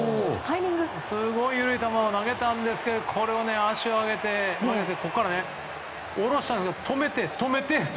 すごい緩い球を投げたんですけどこれは、足を上げて下ろしたんですが、止めて。